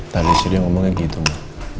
tadi sudah dia ngomongnya gitu ma